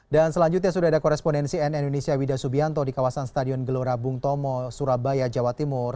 dan selanjutnya sudah ada korespondensi n indonesia wida subianto di kawasan stadion gelora bung tomo surabaya jawa timur